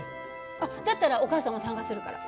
あっだったらお母さんも参加するから。